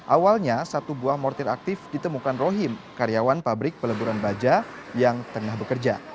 awalnya satu buah mortir aktif ditemukan rohim karyawan pabrik peleburan baja yang tengah bekerja